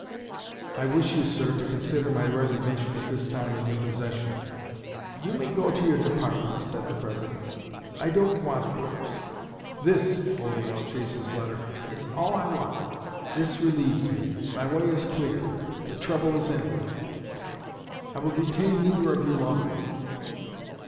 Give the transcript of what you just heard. I wish you, sir, to consider my resignation at this time in your possession.' 'You may go to your department,' said the President; 'I don't want yours. This,' holding out Chase's letter, 'is all I want; this relieves me; my way is clear; the trouble is ended. I will detain neither of you longer.'